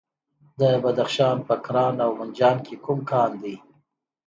د بدخشان په کران او منجان کې کوم کان دی؟